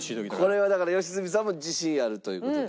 これはだから良純さんも自信あるという事で。